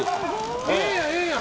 ええやんええやん